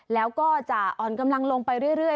แล้วก็จะอ่อนกำลังลงไปเรื่อย